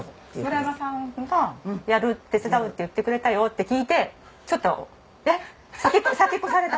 「村山さんがやる手伝うって言ってくれたよ」って聞いてちょっと「えっ先越された！